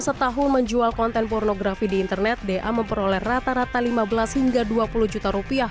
setahun menjual konten pornografi di internet da memperoleh rata rata lima belas hingga dua puluh juta rupiah